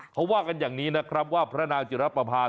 เขาว่ากันอย่างนี้นะครับว่าพระนางจิรปภา